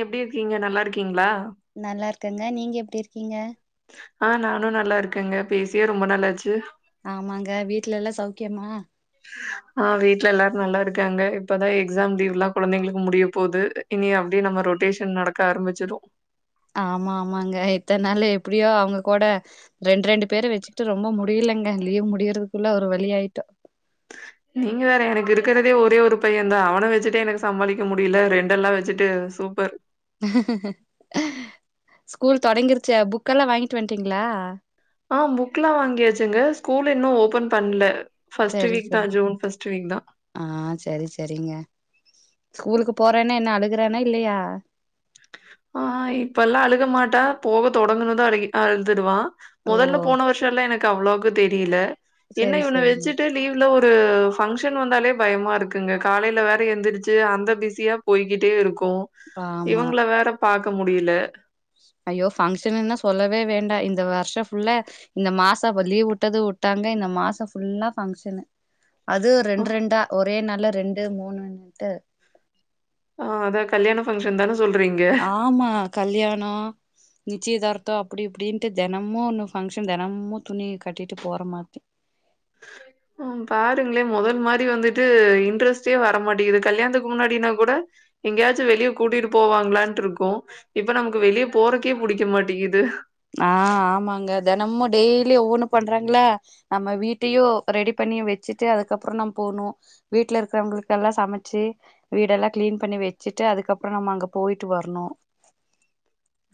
எப்டி இருக்கீங்க நல்லா இருக்கீங்ளா நல்லா இருக் க்கங்க நீங்க எப்டி இருக்கீங்க ஆ நானோ நல்லா இருக்கங்க பேசியே ரொம்ப நாலாச்சு ஆமாங்க வீட்ல எல்லா சௌக்யமா ஆ வீட்ல எல்லாரு நல்லா இருக்காங்க இப்பதா எக்ஸாம் லீவ்லா கொழந்தைங்களுக்கு முடிய போது இனி அப்டியே நம்ம ரொட்டேஷன் நடக்க ஆரம்பிச்சிடோ ஆமா ஆமாங்க இத்தன்னாலு எப்டியோ அவுங்க கூட ரெண்டு ரெண்டு பேர வெச்சுக்கிட்டு ரொம்ப முடியலங்க லீவு முடிறதுக்குள்ள ஒரு வழி ஆய்ட்டோ நீங்க வேற எனக்கு இருக்குறதே ஒரே ஒரு பைய தா அவனே வெச்சுட்டே எனக்கு சமாளிக்க முடியல ரெண்டெல்லா வெச்சுட்டு சூப்பர் ஸ்கூல் தொடங்கிருச்சு புக்கெல்லா வாங்கிட்டு வந்த்ட்டீங்களா ஆ புக்லா வாங்கியாச்சுங்க ஸ்கூல் இன்னோ ஓபன் பண்லே செரி செரி ஆ செரி செரிங்க ஸ்கூலுக்கு போற அப்பறோ என்ன இன்னோ அழுகுறானா இல்லையா ஆ இப்பெல்லா அழுக மாட்டா போக தொடங்குனதோ அழுக ஆ அழுதுடுவா ஓ முதல்ல போன வருஷல்லா எனக் அவ்ளோக்கு தெரியுல என்ன சரி இவன சரிங்க வெச்சுட்டு லீவ்ல ஒரு ஃபங் கிச்சன் வந்தாலே பயமா இருக்குங்க காலைல வேற எந்துரிச்சு அந்த பிஸியா போய்கிட்டே இருக் பா மா வேற பாக்க முடியுல ஐயோ ஃபங்ஷன்னுனா சொல்லவே வேண்டா இந்த வருஷோ ஃபுல்ல இந்த மாச ஒரு லீவ் உட்டது உட்டாங்க இந்த மாசோ ஃபுல்லா பங்ஷனு அதுவு ரெண்டு ரெண்டா ஒரே நாள் இல்ல ரெண்டு மூணுன்ட்டு ஆ அத கல்யாணோ ஃபங்ஷன்தான ஆமா கல்யாணோ நிச்சயதார்த்தோ அப்புடி இப்பபுடின்ட்டு தெனமு ஒன்னு ஃபங்ஷன் தெனமு துணி கட்டிட்டு போற மாதிரி ம் பாருங்களே மொதல் மாரி வந்துட்டு இன்ட்ரெஸ்டே வரமாட்டிங்குது கல்யாணத்துக்கு முன்னாடினா கூட எங்கேயாச்சு வெளியே கூட்டிட்டு போவாங்களான்ட்டுருக்கு இப்ப நமக்கு வெளிய போறக்கே புடிக்க மாட்டிங்குது ஆ ஆமாங்க தெனமு டெய்லி ஒவ்வொன்னு பண்றாங்களா நம்ம வீட்டையு ரெடி பண்ணி வச்சுட்டு அதுக்கப்பறோ நம்ம போகணு வீட்டுல இருக்குறவங்களுகெல்லா சமைச்சு வீடெல்லா கிளீன் பண்ணி வச்சுட்டு அதுக்கப்பறோ நம்ம அங்க போயிட்டு வரணு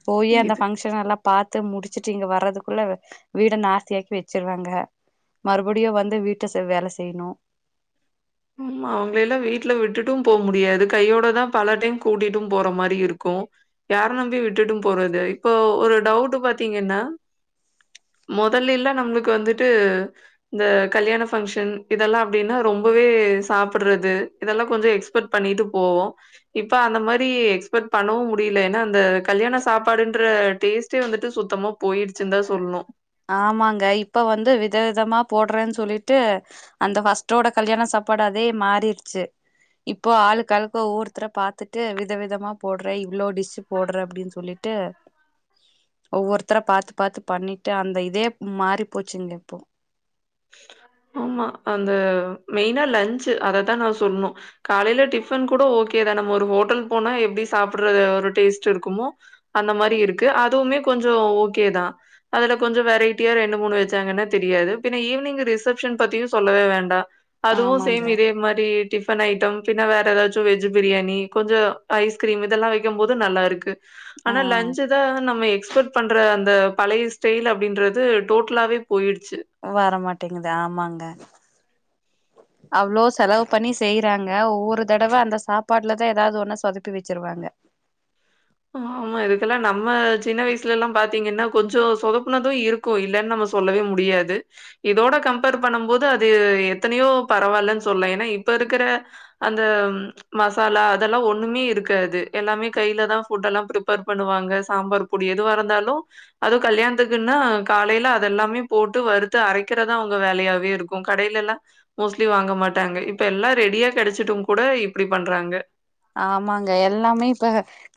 போய் அந்த இது பங்ஷன் எல்லா த்த முடிச்சுட்டு இங்க வர்றதுகுள்ள வீடே நாஸ்தியாக்கி வச்சுருவாங்க மறுபடியு வந்து வீட்ட செ வேல செய்யணு ஆமா அவுங்களேல்லா வீட்ல விட்டுட்டும் போ முடியாது கையோடதா பல டைம் கூட்டிட்டும் போற மாரி இருக்கு யார நம்பி விட்டுட்டும் போறது இப்போ ஒரு டவுட் பாத்தீங்கன்னா முதல்லேலா நம்மளுக்கு வந்துட்டு இந்த கல்யாண பங்க்ஷன் இதெல்லா அப்டின்னா ரொம்பவே வே சாப்புட்றது இதெல்லா கொஞ்ச எக்ஸ்பெக்ட் பண்ணிட்டு போவோ இப்ப அந்த மாரி எக்ஸ்பெக்ட் பண்ணவு முடியல ஏன்னா அந்த கல்யாண சாப்பாடுன்ற டேஸ்ட்டே வந்துட்டு சுத்தமா போயிடுச்சுன்னுதா சொல்லணு ஆமாங்க இப்ப வந்து விதவிதமா போடுறேனு சொல்லிட்டு அந்த ஃபஸ்டோட கல்யாண சாப்பாடு அதே மாறிடுச்சு இப்போ ஆளுக்காளுக்கு ஒவ்வொருத்தர பாத்துட்டு விதவிதமா போடுறே இவ்ளோ டிஷ்ஷு போடுற அப்புடின்னு சொல்லிட்டு ஒவ்வொருத்தர பாத்து பாத்து பண்ணி ட்டு அந்த இதே மாறி போச்சுங்க இப்போ ஆமா அந்த மெய்னா லன்ஞ்சு அததா நா சொல்ணு காலையில டிஃபன் கூட ஓகேதா நம்ம ஒரு ஹோட்டல் போனா எப்டி சாப்புட்றது ஒரு டேஸ்ட் இருக்குமோ அந்த மாரி இருக்கு அதுவுமே கொஞ்சோ ஓகேதா அதுல கொஞ்ச வெரைட்டியா ரெண்டு மூணு வச்சாங்கனா தெரியாது பின்ன ஈவினிங் ரிசெப்ஷன் பத்தியு சொல்லவே வேண்டா அதுவு ஆமாங்க. சேம் இதே மாரி டிஃபன் ஐட்டம் பின்ன வேற ஏதாச்சு வெஜ் பிரியாணி கொஞ்சோ ஐஸ்கிரீம் இதெல்லா வைக்கும் போது நல்லா இருக்கு ஆ ஆனா லன்ஞ்சுதா நம்ம எக்ஸ் எக்ஸ்பெட் பண்ற அந்த பழைய ஸ்டைல் அப்புடின்றது டோட்டலாவே போயிடுச்சு வரமாட்டேங்குது ஆமாங்க அவ்ளோ செலவு பண்ணி செய்றாங்க ஒவ்வொரு தடவ அந்த சாப்பாட்டுலதா எதாவது ஒண்ணு சொதப்பி வச்சுருவாங்க ஆமா இதுக்கெல்லா நம்ம சின்ன வயசுலெல்லா பாத்தீங்கன்னா கொஞ்ச சொதப்புனது இருக்கு இல்லன்னு நம்ம சொல்லவே முடியாது இதோட கம்ஃபேர் பண்ணுபோது அது எத்தனையோ பரவாயில்லன்னு சொல்லலா ஏன்னா இப்ப இருக்குற அந்த மசாலா அதெல்லா ஒண்ணுமே இருக்காது எல்லாமே கையிலதா ஃபுட் எல்லா ப்ரிப்ஃபேர் பண்ணுவாங்க சாம்பார் பொடி எதுவா இருந்தாலு அதுவு கல்யாணத்துக்குன்னா காலையில அதெல்லாமே போட்டு வறுத்து அரைக்கிறதா அவுங்க வேலையாவே இருக்கு கடையிலெல்லா மோஸ்ட்லி வாங்க மாட்டாங்க இப்ப எல்லா ரெடியா கெடச்சுடும் கூட இப்புடி பண்றாங்க ஆமாங்க எல்லாமே இப்ப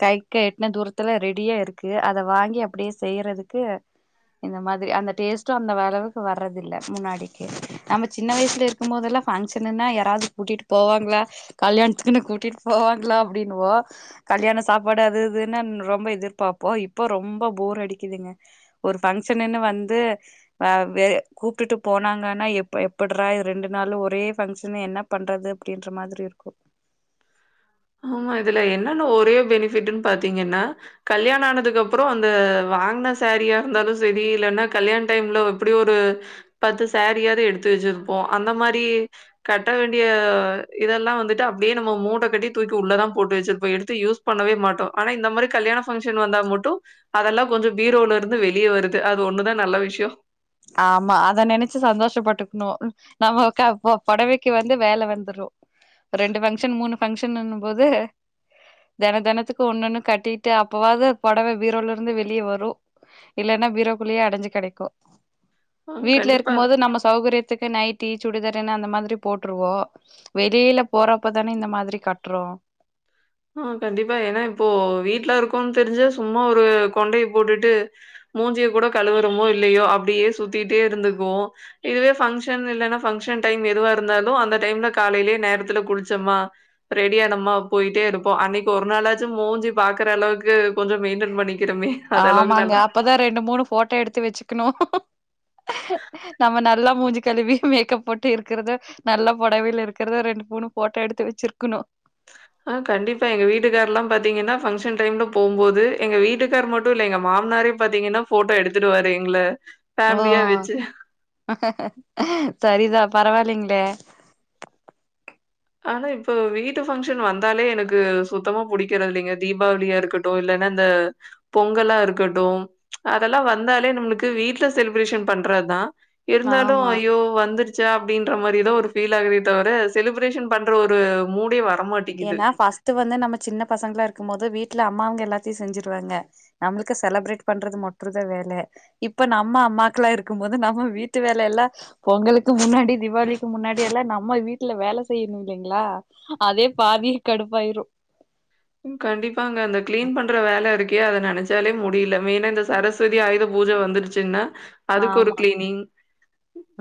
கைக்கு எட்டன தூரத்துல ரெடியா இருக்கு அத வாங்கி அப்புடியே செய்யறதுக்கு இந்த மாதிரி அந்த டேஸ்ட்டு அந்த அளவுக்கு வர்றது இல்ல முன்னாடிக்கி நம்ம சின்ன வயசுல இருக்குபோதெல்லா ஃபங்ஷனுன்னா யாராது கூட்டிட்டு போவாங்களா கல்யாணத்துக்குன்னு கூட்டிட்டு போவாங்களா அப்புடின்னுவோ கல்யாண சாப்பாடு அது இதுன்னு ரொம்ப எதிர்பாப்போ இப்போ ரொம்ப ஃபோர் அடிக்குதுங்க ஒரு ஃபங்ஷன்னுனு வந்து ஆ வெ கூப்புடுட்டு போனாங்கனா எப்ப எப்டுறா இது ரெண்டு நாளு ஒரே பங்க்ஷனு என்ன பண்றது அப்புடின்ற மாதிரி இருக்கு ஆமா இதுல என்னன்னு ஒரே பெனிபிட்ன்னு பாத்தீங்கன்னா கல்யாண ஆனதுக்கு அப்பறோ அந்த வாங்ன சேரீயா இருந்தாலு சேரி இல்லன்னா கல்யாண டைம்ல எப்புடி ஒரு பத்து சேரியாது எடுத்து வச்சிருப்போ அந்த மாரி கட்ட வேண்டிய இதெல்லா வந்துட்டு அப்புடியே நம்ம மூட்ட கட்டி தூக்கி உள்ளதா போட்டு வச்சிருப்போ எடுத்து யூஸ் பண்ணவே மாட்டோ ஆனா இந்த மாரி கல்யாண பங்க்ஷன் வந்தா மட்டு அதெல்லா கொஞ்ச பீரோல்லா இருந்து வெளியே வருது அது ஒண்ணுதா நல்ல விஷ்யோ ஆமா அத நெனச்சு சந்தோஷபட்டுகுணு நம்ம உக்க போ பொடவக்கு வந்து வேல வந்துரு ரெண்டு ஃபங்க்ஷன் மூணு ஃபங்க்ஷன்னுன்ம் போது தென தெனத்துக்கு ஒண்ணு ஒண்ணு கட்டிட்டு அப்பவாது பொடவ பீரோல்லா இருந்து வெளியே வரு இல்லேன்னா பீரோக்குள்ளேயே அடைஞ்சு கெடக்கு அ வீட்ல இருக்கு கண்டிப்பா. போது நம்ம சௌகரியத் த்துக்கு நைட்டி சுடிதாரூணு அந்த மாதிரி போட்டுருவோ வெளியில போறப்பதான இந்த மாதிரி கட்றோம் ஆ கண்டிப்பா ஏனா இப்போ வீட்லருக்கோனு தெரிஞ்சா சும்மா ஒரு கொண்டய போட்டுட்டு மூஞ்சிய கூட கழுவுரோமோ இல்லயோ அப்டியே சுத்திட்டே இருந்துக்குவோ இதுவே பங்க்ஷன் இல்லன்னா பங்க்ஷன் டைம் எதுவா இருந்தாலு அந்த டைம்ல காலையிலே நேரத்துல குளிச்சம்மா ரெடியானமா போயிட்டே இருப் போ அன்னக்கு ஒரு நாளாச்சும் மூஞ்சு பாக்றளவுக்கு கொஞ்சோ மெயின்டென் பண்ணி ஆமாங்க அப்பதா ரெண்டு மூணு போட்டோ எடுத்து வச்சுக்கணு நம்ம நல்லா மூஞ்சு கழுவி மேக்கப் போட்டு இருக்குறத நல்லா பொடவையில இருக்குறத ரெண்டு மூணு போட்டோ எடுத்து வச்சிருக்கனு ஆ கண்டிப்பா எங்க வீட்டுக்கார்லாம் பாத்தீங்கனா பங்க்ஷன் டைம்ல போம்போது எங்க வீட்டுக்கார் மட்டுல்ல எங்க மாமனாரே பாத்தீங்கனா போட்டோ எடுத்துடுவாரு எங்கள ஓ ஃபேமிலியா வச்சு. சரிதா பரவாயில்லங் பே ஆனா இப்ப வீட்டு பங்க்ஷன் வந்தாலே எனக்கு சுத்தமா புடிக்கறதுல்லைங்க தீபாவளியா இருக்கட்டு இல்லன்னா இந்த பொங்கல்லா இருக்கட்டும் அதெல்லா வந்தாலே நம்மளுக்கு வீட்ல செலிப்ரேஷன் பண்றதா இருந்தாலு ஆமா ஐயோ வந்துருச் ச்ச அப்டின்ற மாரி தா ஒரு ஃபீல் ஆகுதே தவர செலிப்ரேஷன் பண்ற ஒரு மூடே வர் ஏனா ஃபஸ்ட்டு வந்து நம்ம சின்ன பசங்கள இருக்கும்போது வீட் ல அம்மா அவங்க எல்லாத்தியு செஞ்சிருவாங்க நம்ளுக்கு செலப்ரேட் பண்றது மட்டு தா வேல இப்ப நம்ம அம்மாக்களா இருக்கும்போது நம்ம வீட்டு வேல எல்லா பொங்கலுக்கு முன்னாடி தீபாவளிக்கு முன்னாடி எல்லா நம்ம வீட்ல வேல செய்யணு இல்லீங்களா அதே பாதி கடுப்பாயிரு ம் கண்டிப்பாங்க அந்த கிளீன் பண்ற வேல இருக் கே அத நெனச்சாலே முடில மெயினா இந்த சரஸ்வதி ஆயுத பூஜ வந்துருச்சுன்னா அதுக்கு ஒரு நாமா ம். கிளீனிங்.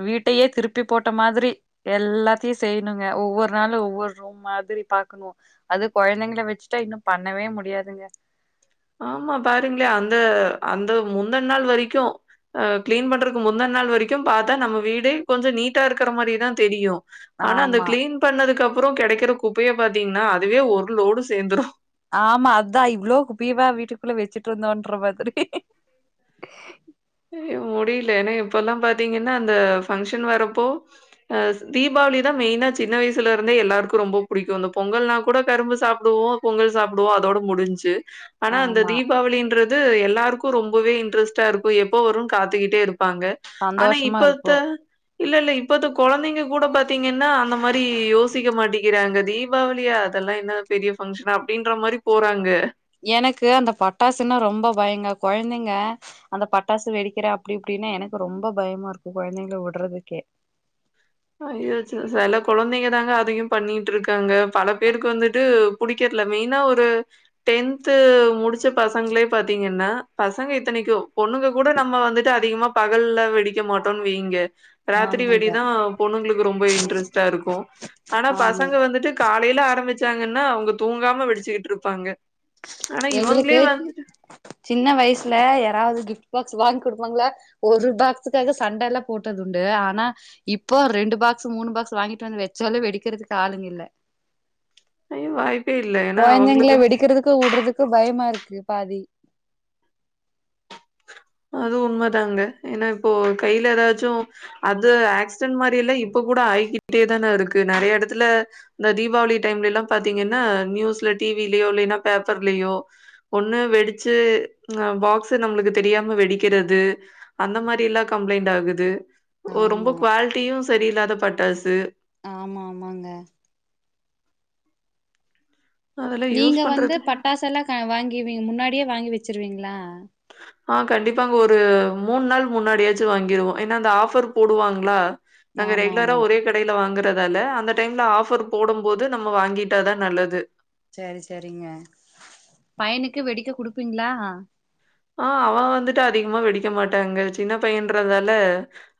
வீட்டயே திருப் பி போட்ட மாதிரி எல்லாத்தியு செய்ணுங்க ஒவ்வொர் நாளு ஒவ்வொர் ரூம் மாதிரி பாக்கணு அது கொழ்ந்தைங்கள வச்சுட்டா இன்னு பண்ணவே முடியாதுங்க ஆமா பாருங்களே அந்த அந்த முந்தன் நாள் வரிக்கு அஹ் கிளீன் பண்றக்கு முந்தன் நாள் வரிக்கு பாத்தா நம்ம வீடே கொஞ்ச நீட்டா இருக்கற மாரி தா தெரியு ஆனா அந்த ஆமா கிளீன் பண்ணதுக்க ப்றோ கெடைக்கற குப்பைய பாத்தீங்னா அதுவே ஒரு லோடு சேந்துரு ஆமா அதா இவ்ளோ குப்பியவா வீட்டுக்குள்ள வெச்சுட்ருந்தோன்ற மாதிரி அய்யோ முடில ஏனா இப்பல்லா பாத்தீங்கன்னா அந்த ஃபங்க்ஷன் வரப்போ அஹ் ஸ் தீபாவளி தா மெய்னா சின்ன வயசுலருந்தே எல்லாருக்கு ரொம்ப புடிக்கு அந்த பொங்கல்னா கூட கரும்பு சாப்டுவோ பொங்கல் சாப்டுவோ அதோட முடிஞ்ச்சு ஆனா அந்த ஆமா தீபாவளின்ற து எல்லாருக்கு ரொம்பவே இன்ட்ரெஸ்ட்டாரு கு எப்ப வருன் காத்துகிட்டே இருப் பாங்க ஆனா சந்தோஷமா இப்பத்த இருக்கு இல்ல இல்ல இப்பத்த கொழந்தைங்க கூட பாத்தீங்கன்னா அந்த மாரி யோசிக்க மாட்டிக்கிறாங்க தீபாவளியா அதெல்லா என்ன பெரிய ஃபங்க்ஷனா அப்டின்ற மாரி போறாங்க எனக்கு அந்த பட்டாசுன்னா ரொம்ப பயங்க கொழ்ந்தைங்க அந்த பட்டாசு வெடிக்கற அப்டி இப்டினு எனக்கு ரொம்ப பயமாருக்கு கொழ்ந்தைங்கள விட்றதுக்கே அய்யோ ச்சி செல கொழந்தைங்க தாங்க அதயு பண்ணீட்ருக்காங்க பல பேருக்கு வந்துட்டு புடிக்கர்ல்ல மெயினா ஒரு டென்த்து முடிச்ச பசங்ளே பாத்தீங்கன்னா பசங்க இத்தனைக்கு பொண்ணுங்க கூட நம்ம வந்துட்டு அதிகமா பகல்ல வெடிக்க மாட்டோன் வெய்ங்க ராத்திரி ஆமாங்க வெடிதா பொண்ணுங்களுக்கு ரொம்ப இன்ட்ரெஸ்ட்டாருக்கு ஆனா ஆமா பசங்க வந்துட்டு காலைல ஆரம்பிச்சாங்கன் னா அவங்க தூங்காம வெடிச்சுக்கிட்ருப்பாங்க ஆனா இவங்களே எங்களுக்கு வந்துட்டு சின்ன வயசுல யாராவ்து கிஃப்ட் பாக் ஸ் வாங்கி குடுப்பாங்களா ஒரு பாக்ஸுக்காக சண்டல்லா போட்டதுண்டு ஆனா இப்போ ரெண்டு பாக்ஸு மூணு பாக்ஸு வாங்கிட்டு வந்து வெச்சாலு வெடிக்கறதுக்கு ஆளுங்கில்ல ஐயோ! வாய்ப்பே இல்ல. ஏன்னா கொழ்ந்தைங்கள அவங்களுக்கு வெடிக்கறதுக்கு உட்றதுக் பயமாருக்கு பாதி அதுவு உண்மதாங்க ஏனா இப்போ கைல எதாச்சு அது ஆக்ஸ்டென்ட் மாரி எல்லா இப்ப கூட ஆய்கிட்டே தான இருக்கு நெறைய எடத்துல இந்த தீபாவளி டைம்லில்லா பாத்தீங்கன்னா நியூஸ்ல டி வி லியோ இல்லன்னா பேப்பர்லியோ ஒன்னு வெடிச்சு அ பாக்ஸ்ஸு நம்ளுக்கு தெரியா ம வெடிக்கறது அந்த மாரி எல்லா கம்ப்ளைண்ட் ஆகுது ஒ ரொம்ப ஆமா குவால்ட்டியு சரியில்ல்லாத பட்டாசு ஆமா ஆமாங்க அதெல்லாம் நீங்க யூஸ் வந்து பண்றதுக்கு பட்டாசெல்லா க வாங்கி வீ முன்னாடியே வாங்கி வெ ச்சிருவீங்களா மூணு நாள் முன்னாடியாச்சும் வாங்கிருவோ ஏன்னா அந்த ஆஃபர் போடுவாங்களா நாங்க ஆமா ரெகுலரா ஆமா ஒரே கடையில வாங்குறது அதால அந்த டைம்ல ஆஃபர் போடும் போது நம்ம வாங்கிட்டாதா நல்லது செரி செரிங்க பையனுக்கு வெடிக்க குடுப்பீங்களா ஆ அவன் வந்துட்டு அதிகமா வெடிக்க மாட்டாங்க சின்ன பையன்றதால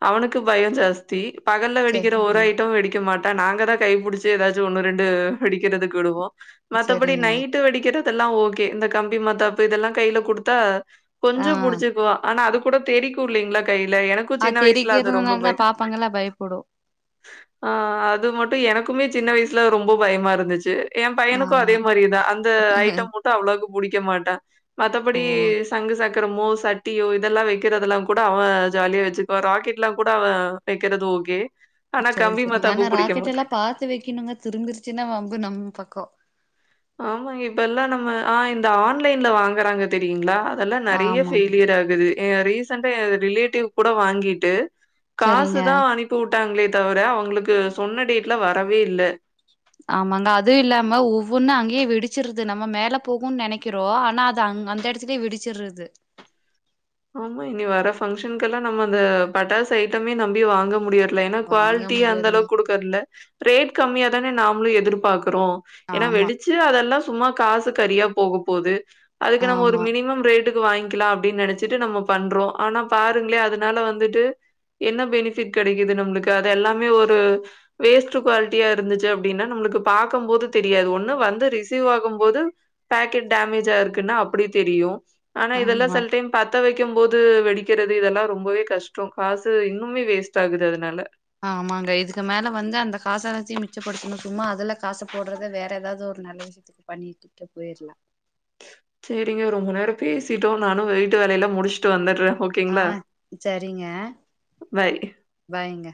அவனுக்கு பயம் ஜாஸ்தி பகல்ல வெடிக்கிற சரிங்க ஒரு ஐட்டம் வெடிக்க மாட்ட டா நாங்கதா கை புடிச்சு ஏதாச்சும் ஒண்ணு ரெண்டு வெடிக்கிறதுக்குவிடுவோம் மத்தபடி சரிங்க நைட்டு வெடிக்கிற இதெல்லா ஓகே இந்த கம்பி மத்தாப்பு இதெல்லா கையில குடுத்தா ஆ கொஞ்சம் புடிச்சுக்குவா ஆனா அதுக்கு கூட தெறிக்கு இல்லங்களா கை ல எனக்கும் அது சின்ன வயசுல அது ரொம்ப தெரிக்கிறதுனால தான் பயம் பாப்பாங்கல்லா பயப்படு ஆ மட்டு எனக்குமே சின்ன வயசுல ரொம்ப பயமா இருந்துச்சு எ பையனுக்கும் அதே ஆமா மாரியேதா அந்த ஐட்டம் மட்டும் அவ்வளவுக்கு புடிக்க மாட்டா மத்தபடி ஓ சங்கு சக்கரமோ சட்டியோ இதெல்லாம் வைக்கிறதுதெல்லாம் கூட அவன் ஜாலியா வச்சுக்குவா ராக்கெட்லாம் கூட அவன் வைக்கிறது ஓகே ஆனா சரி கம்பி சரிங்க மத்தாப்பு ஆனா புடிக்க ராக்கெட் மாட்டான். எல்லாம் பாத்து வைக்கணுங்க திரும்பிருச்சுன்னா வம்பு நம்ம பக்கம் ஆமாங்க இப்ப எல்லா நம்ம ஆ இந்த ஆன்லைன்ல வாங்குறாங்க தெரியுங்களா அதெல்லா நெறைய ஆமா பெயிலியர் ஆகுது என் ரீசண்டா என் ரிலேட்டிவ் கூட வாங்கிட்டு சரிங்க காசுதா அனுப்பி வுட்டாங்களே தவர அவங்களுக்கு சொன்ன டேட்டல வரவே இல்ல ஆமாங்க அதுவும் இல்லாம ஒவ்வொன்னு அங்கேயே வெடிச்சிருது நம்ம மேல போகும்ன்னு நினைக்கிறோ ஆனா அது அங் அந்த இடத்துலயே வெடிச்சிட்றது ஆமா இனி வர பங்ஷனுகெல்லாம் நம்ம அந்த பட்டாசு ஐட்டமே நம்பி வாங்க முடியாது ஏன்னா வாங்க குவாலிட்டி அந்த முடியாதுங்க அளவுக்கு குடுக்கறதுல்ல ரேட் கம்மியதானே நாமளும் எதிர்பாக் றோ ஏன்னா ஆமா வெடிச்சு அதெல்லாம் சும்மா காசு கரியா போக போது அதுக்கு நாம ஒரு ஆமா மினிமம் ரேட் ட்டுக்கு வாங்கிலா அப்பிடின்னு நெனைச்சு ட்டு நம்ம பண்றோ ஆனா பாருங்களே அதனால வந்துட்டு என்ன பெனிபிட் கெடைக்குது நம்மளுக்கு அது எல்லாமே ஒரு வேஸ்ட் குவாலிட்டியா இருந்துச்சு அப்டின்னா நம்மளுக்கு பாக்கும் போது தெரியாது ஒண்ணு வந்து ரிசீவ் ஆகும் போது பாக்கெட் டேமேஜ் இருக்குன்னா அப்டியே தெரியும் ஆனா இதல்லா ஆமா சில டைம் பத்த வைக்கும் போது வெடிக்கிறது இதெல்லாம் ரொம்பவே கஷ்டம் காசு இன்னுமே வேஸ்ட் ஆகுது அதனால ஆமாங்க இதுக்கு மேல வந்து அந்த காசை வச்சு மிச்சப்படுத்தணும் சும்மா அதுல காசை போடுறத வேற ஏதாவது ஒரு நல்ல விஷயத்துக்கு பண்ணிட்டு போயிரலா சேரிங்க ரொம்ப நேரம் பேசிட்டோம் நானும் வீட்டு வேலையெல்லா முடிச்சுட்டு வந்துட்றே ஓகேங்களா ஆஹ் சரிங்க பாய் பாய்ங்க